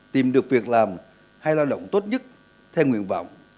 tìm được việc làm hay lao động tốt nhất theo nguyện vọng